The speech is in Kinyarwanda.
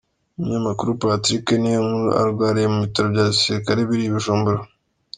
Umunyamakuru, Patrick Niyonkuru, arwariye mu bitaro bya gisirikare biri i Bijumbura.